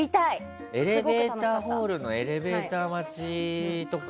エレベーターホールのエレベーター待ちとか。